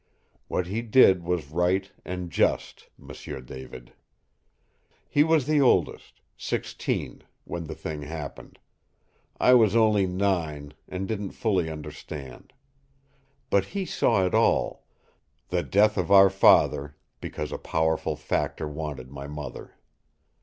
What he did was right and just, M'sieu David. He was the oldest sixteen when the thing happened. I was only nine, and didn't fully understand. But he saw it all the death of our father because a powerful factor wanted my mother.